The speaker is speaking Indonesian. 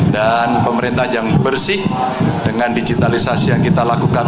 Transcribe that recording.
dan pemerintah yang bersih dengan digitalisasi yang kita lakukan